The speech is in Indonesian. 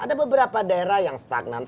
ada beberapa daerah yang stagnan